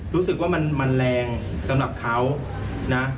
รู้สึกว่ามันแรงสำหรับเขานะ